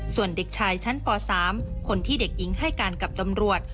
ส่วนเด็กชายชั้นป๓คนที่เด็กหญิงให้การกับตำรวจ